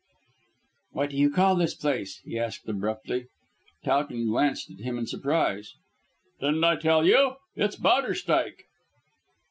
"What do you call this place?" he asked abruptly. Towton glanced at him in surprise. "Didn't I tell you? It's Bowderstyke."